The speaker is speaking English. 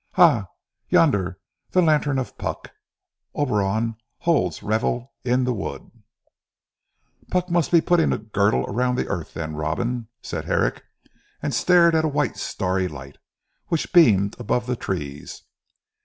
Ha! Yonder the lantern of Puck. Oberon holds revel in the wood." "Puck must be putting a girdle round the earth then Robin," said Herrick and stared at the white starry light, which beamed above the trees.